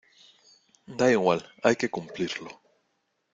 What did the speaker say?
da igual, hay que cumplirlo.